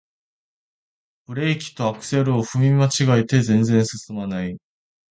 ブレーキとアクセルを踏み間違えて全然すすまない